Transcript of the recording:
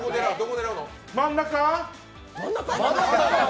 真ん中？